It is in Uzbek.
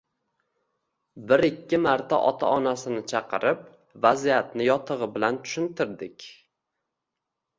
Bir-ikki marta ota-onasini chaqirib, vaziyatni yotig`i bilan tushuntirdik